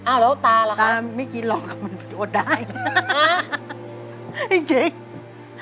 แล้วตาล่ะคะไม่กินหรอกมันอดได้จริงจริง